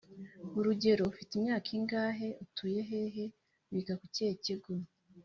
Urugero: Ufite imyaka ingahe? Utuye hehe? Wiga ku kihe kigo?